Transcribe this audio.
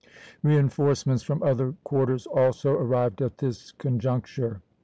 Reinforcements from other quarters also arrived at this conjuncture.